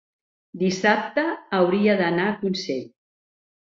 Dissabte hauria d'anar a Consell.